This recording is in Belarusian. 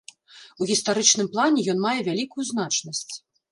У гістарычным плане ён мае вялікую значнасць.